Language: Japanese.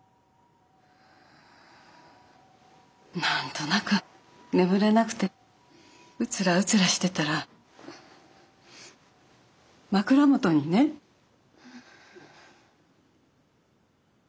何となく眠れなくてうつらうつらしてたら枕元にねあの人がいて。